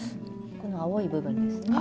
この青い部分ですね。